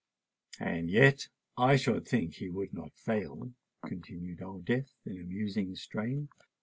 "And yet I should think he would not fail," continued Old Death in a musing strain.